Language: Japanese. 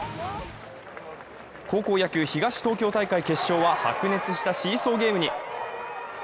高校野球、東東京大会決勝は白熱したシーソーゲームに。